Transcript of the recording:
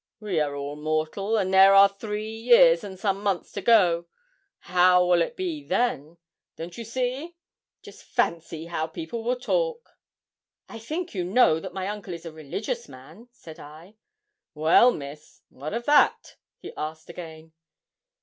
We are all mortal, and there are three years and some months to go; how will it be then? Don't you see? Just fancy how people will talk.' 'I think you know that my uncle is a religious man?' said I. 'Well, Miss, what of that?' he asked again.